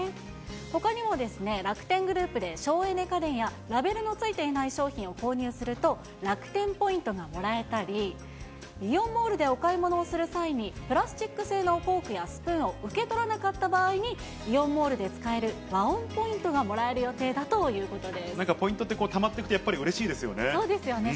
ほかにも、楽天グループで省エネ家電やラベルのついていない商品を購入すると、楽天ポイントがもらえたり、イオンモールでお買い物をする際に、プラスチック製のフォークやスプーンを受け取らなかった場合に、イオンモールで使えるＷＡＯＮポイントがもらえる予定だというこなんかポイントって、たまっていくとやっぱりうれしいですよね。